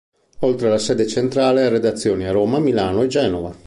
Oltre alla sede centrale, ha redazioni a Roma, Milano e Genova.